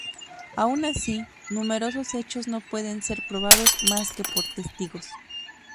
Aun así, numerosos hechos no pueden ser probados más que por testigos.